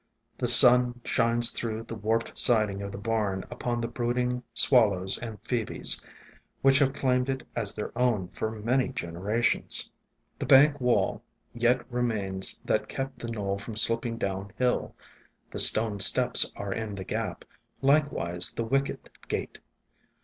The sun shines through the warped siding of the barn upon the brooding swal lows and phoebes, which have claimed it as their own for many generations. The bank wall yet remains that kept the knoll from slipping down hill ; the stone steps are in the gap, likewise the wicket gate.